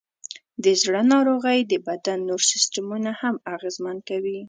د زړه ناروغۍ د بدن نور سیستمونه هم اغېزمن کوي.